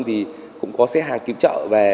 thì cũng có xe hàng cứu trợ về